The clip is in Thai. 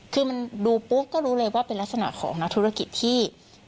คือมันดูปุ๊บก็รู้เลยว่าเป็นลักษณะของนักธุรกิจที่